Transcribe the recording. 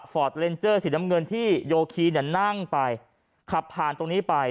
เลนเจอร์สีน้ำเงินที่โยคีเนี่ยนั่งไปขับผ่านตรงนี้ไป